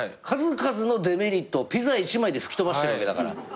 数々のデメリットをピザ１枚で吹き飛ばしてるわけだから。